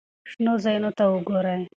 شنو ځایونو ته وګورئ.